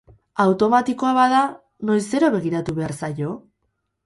Automatikoa bada, noizero begiratu behar zaio?